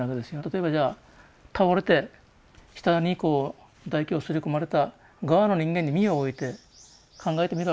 例えばじゃあ倒れて舌にこう唾液をすり込まれた側の人間に身を置いて考えてみるわけですよね。